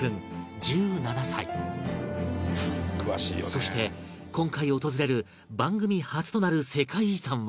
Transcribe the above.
そして今回訪れる番組初となる世界遺産は